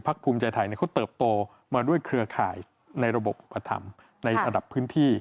พักภูมิใจไทยเนี้ยเขาเติบโตมาด้วยเครือข่ายในระบบประธำในอัดับพื้นที่